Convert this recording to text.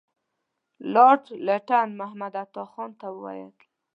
لارډ لیټن عطامحمد خان ته وویل.